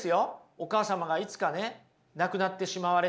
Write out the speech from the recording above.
お母様がいつかね亡くなってしまわれた。